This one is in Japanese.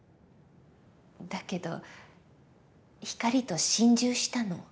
だけど光と心中したの。